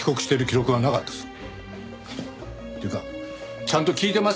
っていうかちゃんと聞いてます？